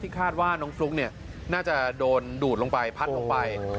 คาดว่าน้องฟลุ๊กน่าจะโดนดูดลงไปพัดลงไป